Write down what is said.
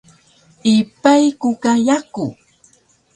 Ipay ku ka yaku